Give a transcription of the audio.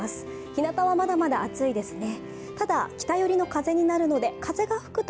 ひなたはまだまだ暑いですね。